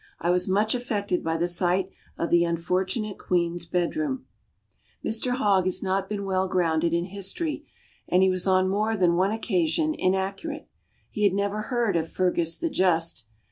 I was much affected by the sight of the unfortunate Queen's bedroom. Mr Hogg has not been well grounded in history; and he was on more than one occasion inaccurate. He had never heard of Fergus the Just.